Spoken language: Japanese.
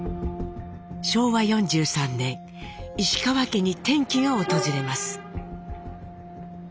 昭和４３年石川家に転機が訪れます。